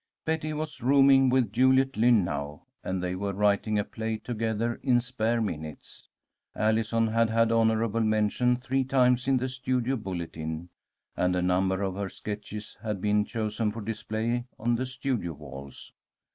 Betty was rooming with Juliet Lynn now, and they were writing a play together in spare minutes. Allison had had honourable mention three times in the Studio Bulletin, and a number of her sketches had been chosen for display on the studio walls.